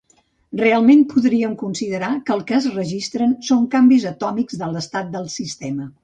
Realment podríem considerar que el que es registren són canvis atòmics de l'estat del sistema.